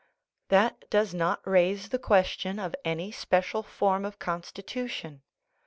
That does not raise the question of any special form of constitution.